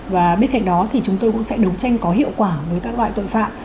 và bên cạnh đó thì chúng tôi cũng sẽ đấu tranh có hiệu quả với các loại tội phạm